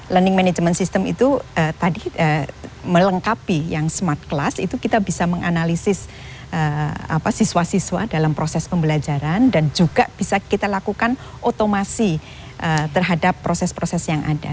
learning management system itu tadi melengkapi yang smart class itu kita bisa menganalisis siswa siswa dalam proses pembelajaran dan juga bisa kita lakukan otomasi terhadap proses proses yang ada